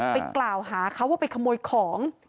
ไปกล่าวหาเขาว่าไปขโมยของ